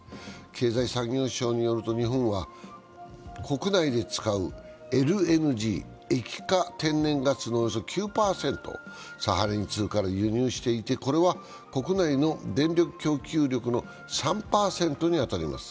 経済産業省によると日本は国内で使うＬＮＧ＝液化天然ガスのおよそ９％をサハリン２から輸入していてこれは国内の電力供給力の３％に当たります。